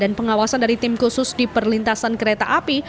dan dengan penawasan dari tim khusus di perlintasan kereta api